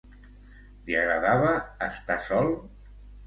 Li agradava estar sol?